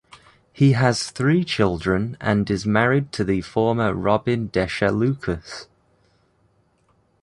He has three children and is married to the former Robin Desha Lucas.